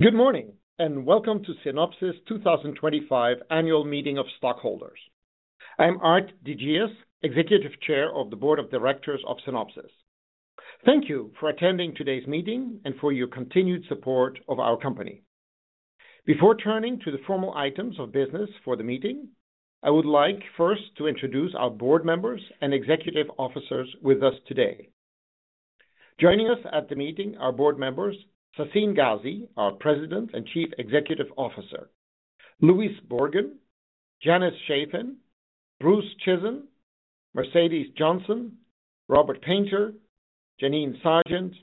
Good morning, and welcome to Synopsys 2025 Annual Meeting of Stockholders. I am Aart de Geus, Executive Chair of the Board of Directors of Synopsys. Thank you for attending today's meeting and for your continued support of our company. Before turning to the formal items of business for the meeting, I would like first to introduce our board members and executive officers with us today. Joining us at the meeting are board members Sassine Ghazi, our President and Chief Executive Officer; Luis von Ahn; Janice Chaffin; Bruce Chizen; Mercedes Johnson; Robert Painter; Janine Sargent;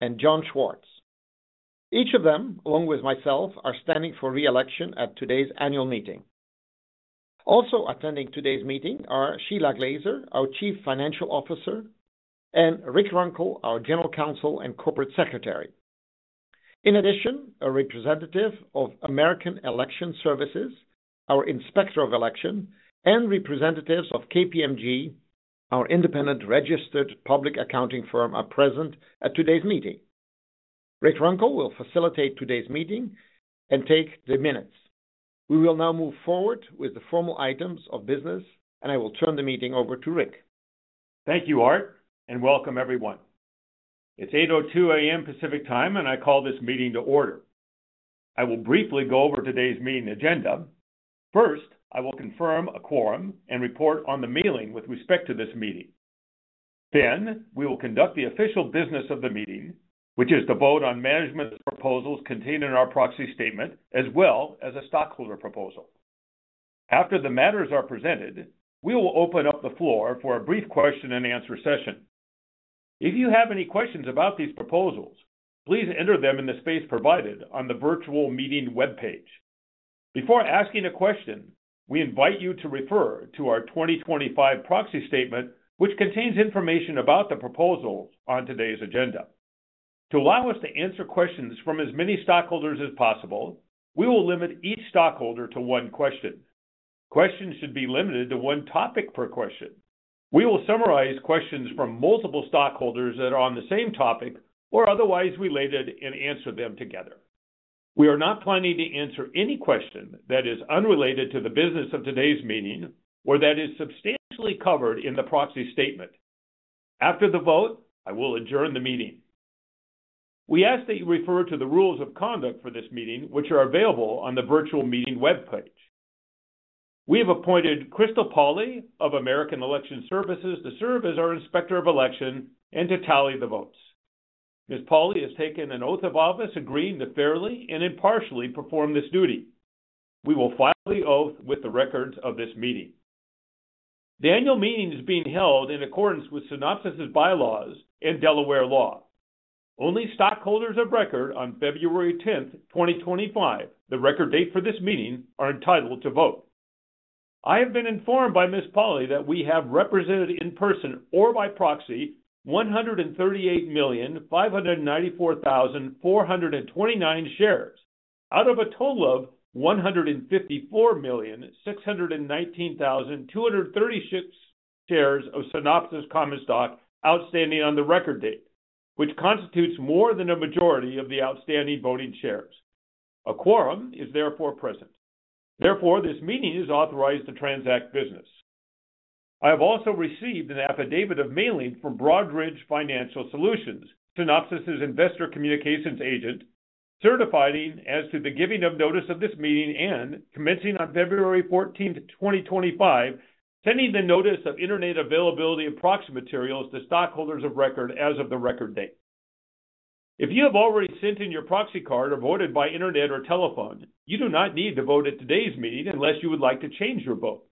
and John Schwarz. Each of them, along with myself, are standing for re-election at today's annual meeting. Also attending today's meeting are Shelagh Glaser, our Chief Financial Officer, and Rick Runkel, our General Counsel and Corporate Secretary. In addition, a representative of American Election Services, our Inspector of Election, and representatives of KPMG, our independent registered public accounting firm, are present at today's meeting. Rick Runkle will facilitate today's meeting and take the minutes. We will now move forward with the formal items of business, and I will turn the meeting over to Rick. Thank you, Aart, and welcome everyone. It's 8:02 A.M. Pacific Time, and I call this meeting to order. I will briefly go over today's meeting agenda. First, I will confirm a quorum and report on the mailing with respect to this meeting. Next, we will conduct the official business of the meeting, which is the vote on management proposals contained in our proxy statement, as well as a stockholder proposal. After the matters are presented, we will open up the floor for a brief question-and-answer session. If you have any questions about these proposals, please enter them in the space provided on the virtual meeting webpage. Before asking a question, we invite you to refer to our 2025 proxy statement, which contains information about the proposals on today's agenda. To allow us to answer questions from as many stockholders as possible, we will limit each stockholder to one question. Questions should be limited to one topic per question. We will summarize questions from multiple stockholders that are on the same topic or otherwise related and answer them together. We are not planning to answer any question that is unrelated to the business of today's meeting or that is substantially covered in the proxy statement. After the vote, I will adjourn the meeting. We ask that you refer to the rules of conduct for this meeting, which are available on the virtual meeting webpage. We have appointed Crystal Pauly of American Election Services to serve as our Inspector of Election and to tally the votes. Ms. Pauly has taken an oath of office agreeing to fairly and impartially perform this duty. We will file the oath with the records of this meeting. The annual meeting is being held in accordance with Synopsys' bylaws and Delaware law. Only stockholders of record on February 10, 2025, the record date for this meeting, are entitled to vote. I have been informed by Ms. Pauly that we have represented in person or by proxy 138,594,429 shares out of a total of 154,619,236 shares of Synopsys Common Stock outstanding on the record date, which constitutes more than a majority of the outstanding voting shares. A quorum is therefore present. Therefore, this meeting is authorized to transact business. I have also received an affidavit of mailing from Broadridge Financial Solutions, Synopsys' investor communications agent, certifying as to the giving of notice of this meeting and commencing on February 14, 2025, sending the notice of internet availability of proxy materials to stockholders of record as of the record date. If you have already sent in your proxy card or voted by internet or telephone, you do not need to vote at today's meeting unless you would like to change your vote.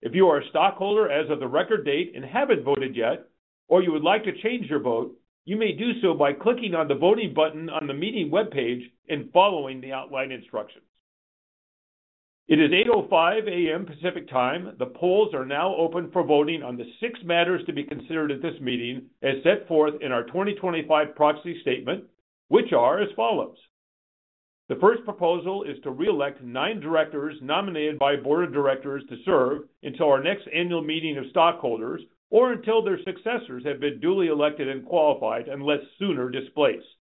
If you are a stockholder as of the record date and have not voted yet, or you would like to change your vote, you may do so by clicking on the voting button on the meeting webpage and following the outlined instructions. It is 8:05 A.M. Pacific Time. The polls are now open for voting on the six matters to be considered at this meeting as set forth in our 2025 proxy statement, which are as follows. The first proposal is to re-elect nine directors nominated by the board of directors to serve until our next annual meeting of stockholders or until their successors have been duly elected and qualified unless sooner displaced.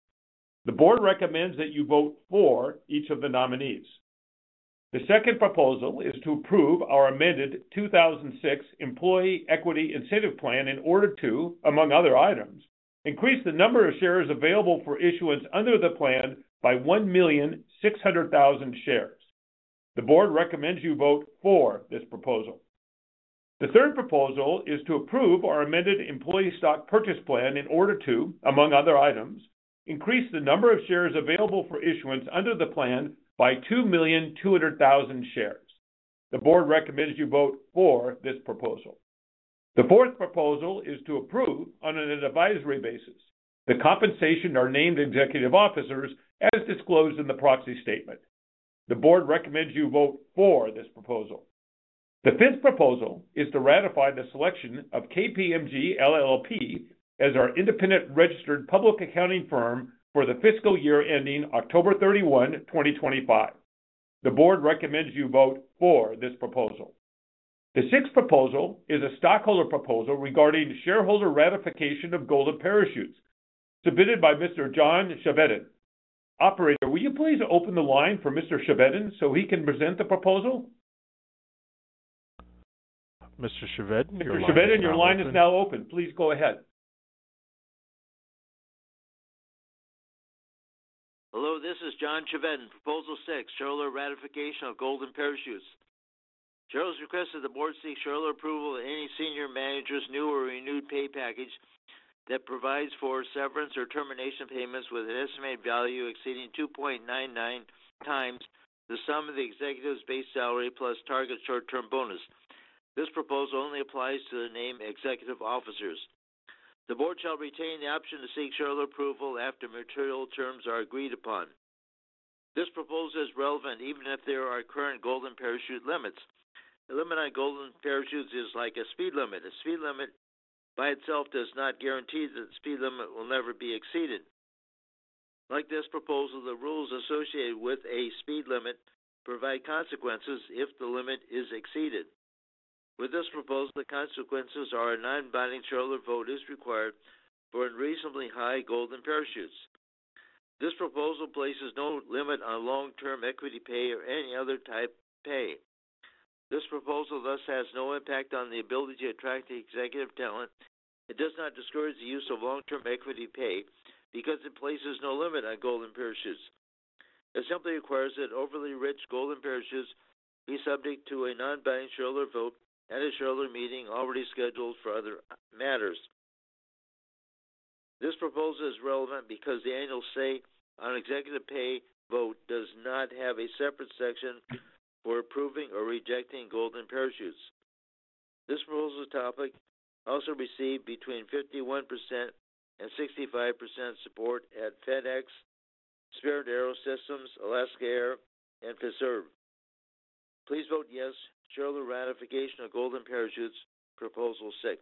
The board recommends that you vote for each of the nominees. The second proposal is to approve our amended 2006 Employee Equity Incentive Plan in order to, among other items, increase the number of shares available for issuance under the plan by 1,600,000 shares. The board recommends you vote for this proposal. The third proposal is to approve our amended Employee Stock Purchase Plan in order to, among other items, increase the number of shares available for issuance under the plan by 2,200,000 shares. The board recommends you vote for this proposal. The fourth proposal is to approve on an advisory basis the compensation of named executive officers as disclosed in the proxy statement. The board recommends you vote for this proposal. The fifth proposal is to ratify the selection of KPMG LLP as our independent registered public accounting firm for the fiscal year ending October 31, 2025. The board recommends you vote for this proposal. The sixth proposal is a stockholder proposal regarding shareholder ratification of Golden Parachutes submitted by Mr. John Chevedden. Operator, will you please open the line for Mr. Chevedden so he can present the proposal? Mr. Chevedden, your line. Mr. Chevedden, your line is now open. Please go ahead. Hello, this is John Chevedden. Proposal Six: Stockholder ratification of Golden Parachutes. Stockholders request that the board seek stockholder approval of any senior manager's new or renewed pay package that provides for severance or termination payments with an estimated value exceeding 2.99 times the sum of the executive's base salary plus target short-term bonus. This proposal only applies to the named executive officers. The board shall retain the option to seek stockholder approval after material terms are agreed upon. This proposal is relevant even if there are current Golden Parachute limits. The limit on Golden Parachutes is like a speed limit. A speed limit by itself does not guarantee that the speed limit will never be exceeded. Like this proposal, the rules associated with a speed limit provide consequences if the limit is exceeded. With this proposal, the consequences are a non-binding Shareholder vote is required for unreasonably high Golden Parachutes. This proposal places no limit on long-term equity pay or any other type of pay. This proposal thus has no impact on the ability to attract executive talent. It does not discourage the use of long-term equity pay because it places no limit on Golden Parachutes. It simply requires that overly rich Golden Parachutes be subject to a non-binding shareholder vote at a shareholder meeting already scheduled for other matters. This proposal is relevant because the annual say on executive pay vote does not have a separate section for approving or rejecting Golden Parachutes. This proposal topic also received between 51% and 65% support at FedEx, Spirit AeroSystems, Alaska Air, and Fiserv. Please vote yes to shareholder ratification of Golden Parachutes proposal six.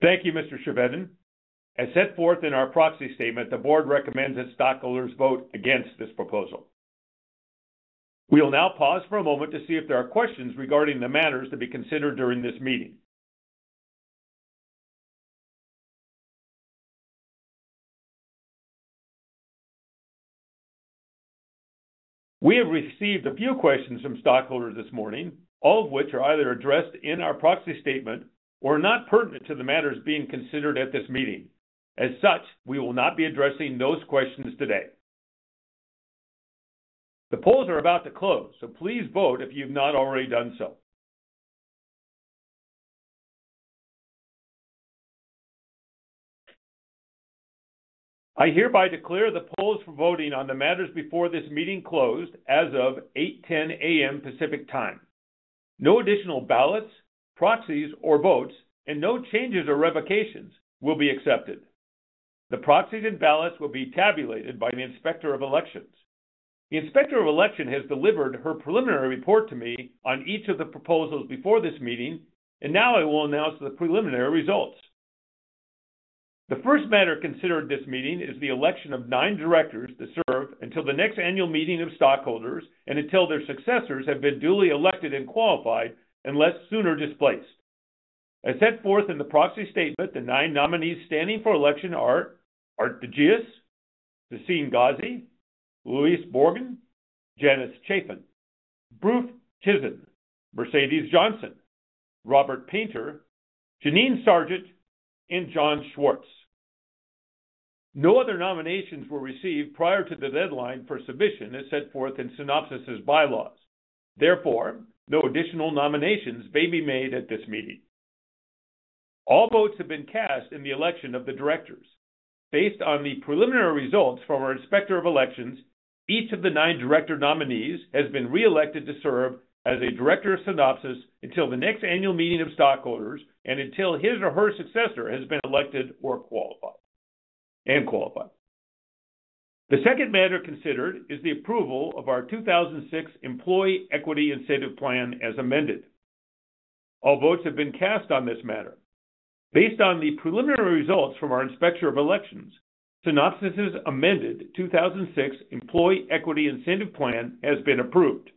Thank you, Mr. Chevedden. As set forth in our proxy statement, the board recommends that stockholders vote against this proposal. We will now pause for a moment to see if there are questions regarding the matters to be considered during this meeting. We have received a few questions from stockholders this morning, all of which are either addressed in our proxy statement or not pertinent to the matters being considered at this meeting. As such, we will not be addressing those questions today. The polls are about to close, so please vote if you have not already done so. I hereby declare the polls for voting on the matters before this meeting closed as of 8:10 A.M. Pacific Time. No additional ballots, proxies, or votes, and no changes or revocations will be accepted. The proxies and ballots will be tabulated by the Inspector of Election. The Inspector of Election has delivered her preliminary report to me on each of the proposals before this meeting, and now I will announce the preliminary results. The first matter considered at this meeting is the election of nine directors to serve until the next annual meeting of stockholders and until their successors have been duly elected and qualified unless sooner displaced. As set forth in the proxy statement, the nine nominees standing for election are Aart de Geus, Sassine Ghazi, Luis von Ahn, Janice Chafen, Bruce Chizen, Mercedes Johnson, Robert Painter, Janine Sargent, and John Schwarz. No other nominations were received prior to the deadline for submission as set forth in Synopsys' bylaws. Therefore, no additional nominations may be made at this meeting. All votes have been cast in the election of the directors. Based on the preliminary results from our Inspector of Election, each of the nine director nominees has been re-elected to serve as a director of Synopsys until the next annual meeting of stockholders and until his or her successor has been elected and qualified. The second matter considered is the approval of our 2006 Employee Equity Incentive Plan as amended. All votes have been cast on this matter. Based on the preliminary results from our Inspector of Election, Synopsys' amended 2006 Employee Equity Incentive Plan has been approved.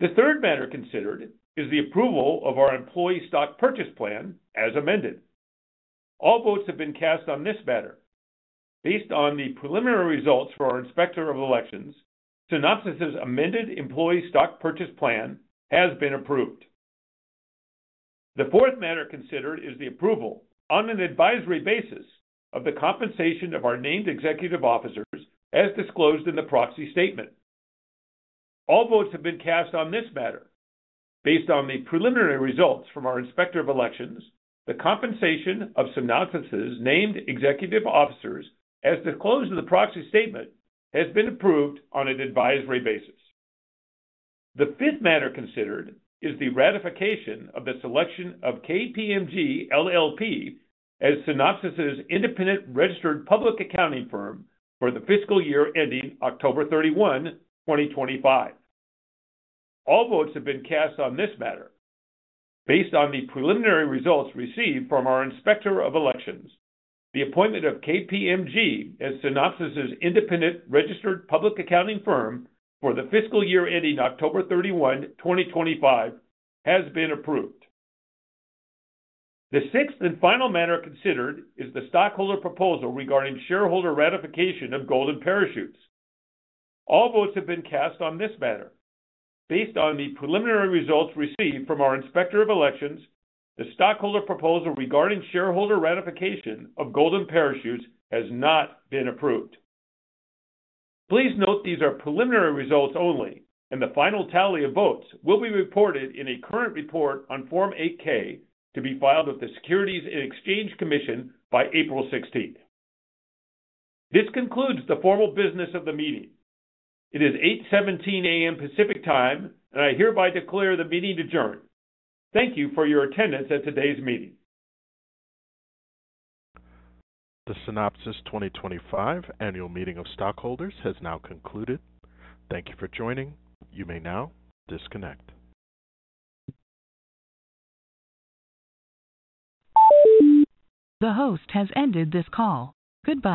The third matter considered is the approval of our Employee Stock Purchase Plan as amended. All votes have been cast on this matter. Based on the preliminary results from our Inspector of Election, Synopsys' amended Employee Stock Purchase Plan has been approved. The fourth matter considered is the approval on an advisory basis of the compensation of our named executive officers as disclosed in the proxy statement. All votes have been cast on this matter. Based on the preliminary results from our Inspector of Election, the compensation of Synopsys' named executive officers as disclosed in the proxy statement has been approved on an advisory basis. The fifth matter considered is the ratification of the selection of KPMG LLP as Synopsys' independent registered public accounting firm for the fiscal year ending October 31, 2025. All votes have been cast on this matter. Based on the preliminary results received from our Inspector of Election, the appointment of KPMG as Synopsys' independent registered public accounting firm for the fiscal year ending October 31, 2025 has been approved. The sixth and final matter considered is the stockholder proposal regarding shareholder ratification of Golden Parachutes. All votes have been cast on this matter. Based on the preliminary results received from our Inspector of Election, the stockholder proposal regarding shareholder ratification of Golden Parachutes has not been approved. Please note these are preliminary results only, and the final tally of votes will be reported in a current report on Form 8-K to be filed with the Securities and Exchange Commission by April 16. This concludes the formal business of the meeting. It is 8:17 A.M. Pacific Time, and I hereby declare the meeting adjourned. Thank you for your attendance at today's meeting. The Synopsys 2025 annual meeting of stockholders has now concluded. Thank you for joining. You may now disconnect. The host has ended this call. Goodbye.